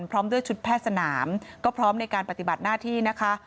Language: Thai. พร้อมด้วยชุดแพทย์สนามก็พร้อมในการปฏิบัติหน้าที่นะคะ